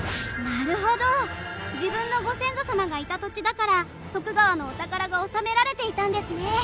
自分のご先祖様がいた土地だから徳川のお宝が納められていたんですね。